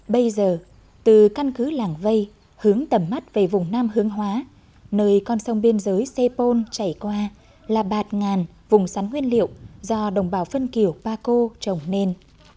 bây giờ từ căn cứ làng vây hướng tầm mắt về vùng nam hướng hóa nơi con sông biên giới sepol chảy qua là bạt ngàn vùng sắn nguyên liệu do đồng bào phân kiểu paco trồng nên